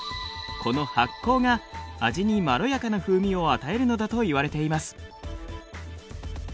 この発酵が味にまろやかな風味を与えるのだといわれています。